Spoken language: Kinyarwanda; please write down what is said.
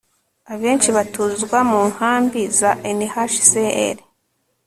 abenshi batuzwa mu nkambi za unhcr